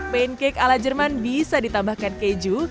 pancake ala jerman bisa ditambahkan keju